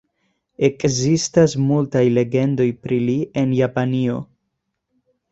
Ekzistas multaj legendoj pri li en Japanio.